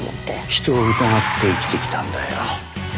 人を疑って生きてきたんだよ。